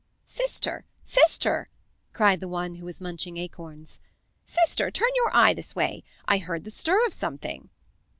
"Sister, sister," cried the one who was munching acorns, "sister, turn your eye this way. I heard the stir of something."